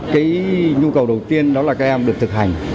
cái nhu cầu đầu tiên đó là các em được thực hành